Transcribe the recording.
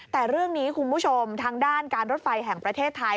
แต่เรื่องนี้คุณผู้ชมทางด้านการรถไฟแห่งประเทศไทย